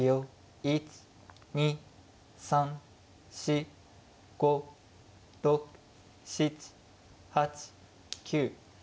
１２３４５６７８９。